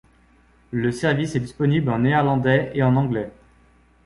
Le service est disponible en néerlandais et en anglais.